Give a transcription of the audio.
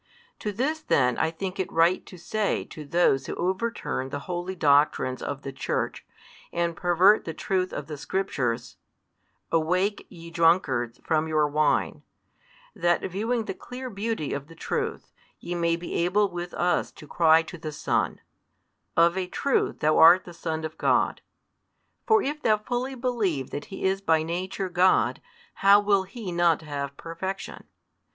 To this then I think it right to say to those who overturn the holy doctrines of the Church, and pervert the truth of the Scriptures: Awake, ye drunkards, from your wine, that viewing the clear beauty of the truth, ye may be able with us to cry to the Son: Of a truth Thou art the Son of God. For if thou fully believe that He is by Nature God, how will He not have perfection?